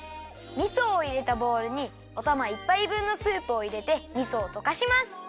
みそをいれたボウルにおたま１ぱい分のスープをいれてみそをとかします！